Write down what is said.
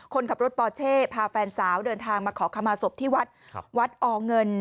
คนขับรถปอเช่พาแฟนสาวเดินทางมาขอขมาศพที่วัดวัดอเงิน